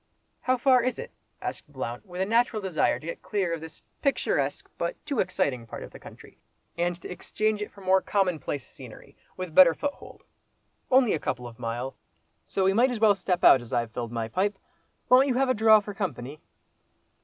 "How far is it?" asked Blount, with a natural desire to get clear of this picturesque, but too exciting part of the country, and to exchange it for more commonplace scenery, with better foothold. "Only a couple of mile—so we might as well step out, as I've filled my pipe. Won't you have a draw for company?"